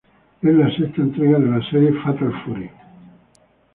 Es la sexta entrega de la serie "Fatal Fury".